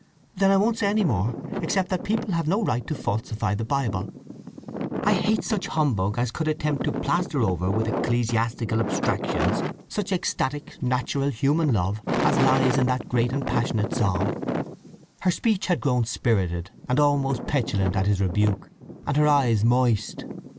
Then I won't say any more, except that people have no right to falsify the Bible! I hate such hum bug as could attempt to plaster over with ecclesiastical abstractions such ecstatic, natural, human love as lies in that great and passionate song!" Her speech had grown spirited, and almost petulant at his rebuke, and her eyes moist.